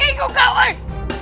aduh ini kok kawin